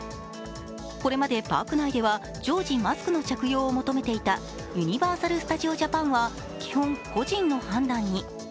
これまでパーク内では常時マスクの着用を求めていたユニバーサル・スタジオ・ジャパンは基本、個人の判断に。